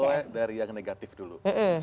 saya mau mulai dari yang negatif dulu